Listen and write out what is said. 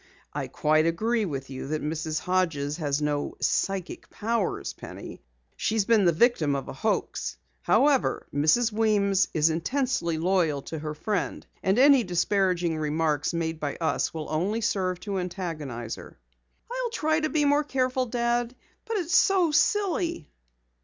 "I quite agree with you that Mrs. Hodges has no psychic powers, Penny. She's been the victim of a hoax. However, Mrs. Weems is intensely loyal to her friend, and any disparaging remarks made by us will only serve to antagonize her." "I'll try to be more careful, Dad. But it's so silly!"